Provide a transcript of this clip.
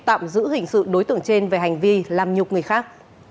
tạm giữ hình sự đối tượng trên về hành vi làm nhục người khác